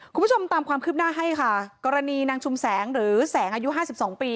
คุณผู้ชมตามความคืบหน้าให้ค่ะกรณีนางชุมแสงหรือแสงอายุห้าสิบสองปี